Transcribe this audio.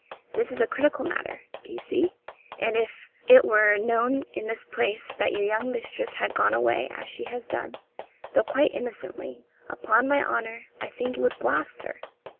This is a critical matter, do you see, and if it were known in this place that your young mistress had gone away as she has done though quite innocently upon my honour I think it would blast her.